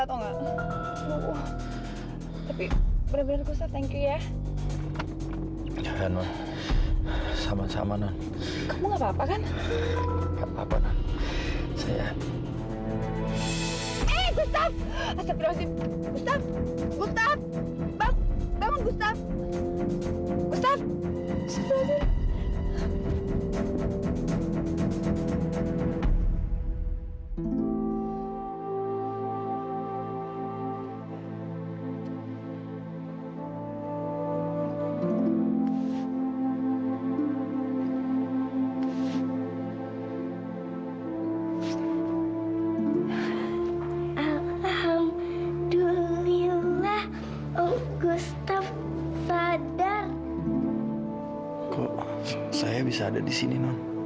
kok saya bisa ada disini non